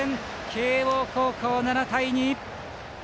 慶応高校、７対２。